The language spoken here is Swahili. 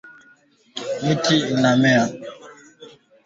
Kiazi lishe ukikikata kina rangi ya chungwa ndani